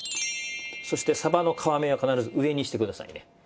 そして鯖の皮目は必ず上にしてくださいね。